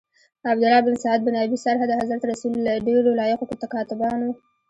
عبدالله بن سعد بن ابی سرح د حضرت رسول له ډیرو لایقو کاتبانو.